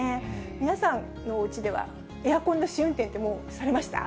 皆さんのおうちではエアコンの試運転って、もうされました？